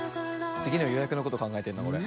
次の予約のこと考えてるなこれ。